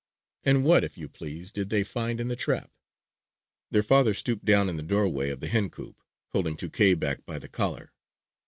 And what, if you please, did they find in the trap? Their father stooped down in the doorway of the hen coop, holding Tuké back by the collar.